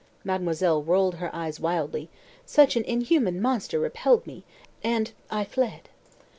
Mademoiselle rolled her eyes wildly. "Such an inhuman monster repelled me, and I fled."